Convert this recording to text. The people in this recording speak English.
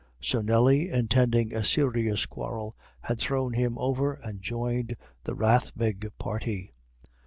So Nelly, intending a serious quarrel, had thrown him over and joined the Rathbeg party.